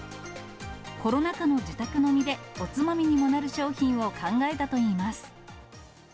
コロナ禍の自宅飲みでおつまみにもなる商品を考えたといいます。